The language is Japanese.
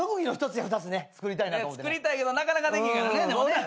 つくりたいけどなかなかできんからねでもね。